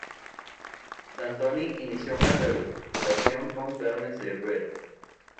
Santoni inició una relación con Carmen Cervera.